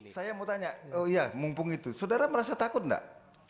saya mau tanya oh iya mumpung itu saudara merasa takut nggak